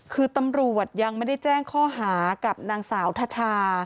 คือตำรวจยังไม่ได้แจ้งข้อหากับนางสาวทชา